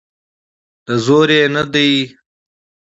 د زور یې نه دی.